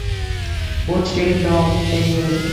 Both studied law at the university.